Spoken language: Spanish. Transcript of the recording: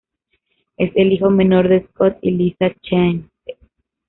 Es el hijo menor de Scott y Lisa Chance.